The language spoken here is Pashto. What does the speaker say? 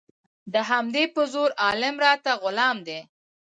د همدې په زور عالم راته غلام دی